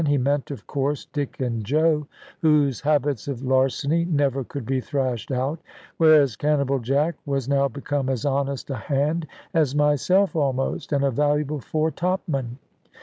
He meant, of course, Dick and Joe, whose habits of larceny never could be thrashed out; whereas Cannibal Jack was now become as honest a hand as myself almost, and a valuable fore topman.